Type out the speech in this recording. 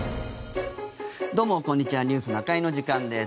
どうもこんにちは「ニュースな会」の時間です。